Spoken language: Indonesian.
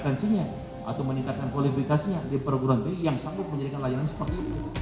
terus ut mendapat piaga musim rekor dunia indonesia dalam tiga kategori